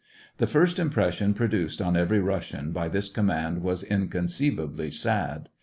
The first impression produced on every Russian by this command was inconceivably sad.